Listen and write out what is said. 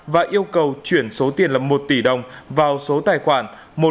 và yêu cầu chuyển số tiền là một tỷ đồng vào số tài khoản một không tám tám bảy năm một sáu bảy năm tám